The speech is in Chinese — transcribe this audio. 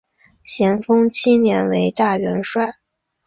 咸丰七年为大元帅。